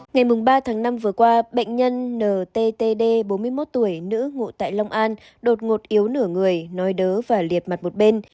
ngày ba tháng năm vừa qua bệnh nhân nttd bốn mươi một tuổi nữ ngụ tại long an đột ngột yếu nửa người nói đớ và liệt mặt một bên